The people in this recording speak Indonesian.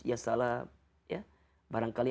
ya salam barangkali